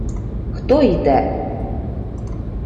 — Хто йде?!